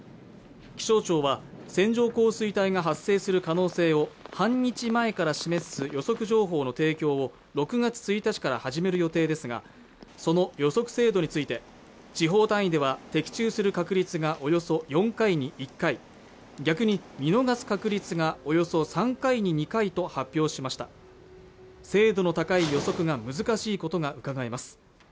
気象庁は線状降水帯が発生する可能性を半日前から示す予測情報の提供を６月１日から始める予定ですがその予測精度について地方単位では的中する確率がおよそ４回に１回逆に見逃す確率がおよそ３回に２回と発表しました精度の高い予測が難しいことがうかがえます